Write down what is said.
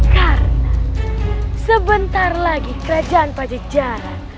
karena sebentar lagi kerajaan pajajara